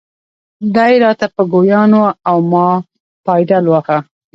دی را ته ګویان و او ما پایډل واهه.